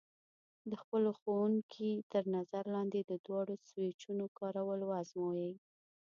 د خپلو ښوونکي تر نظر لاندې د دواړو سویچونو کارول وازموئ.